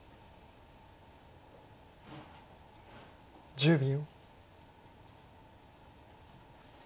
１０秒。